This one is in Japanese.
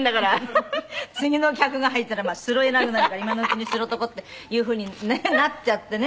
次の客が入ったら拾えなくなるから今のうちに拾っとこっていうふうにねっなっちゃってね。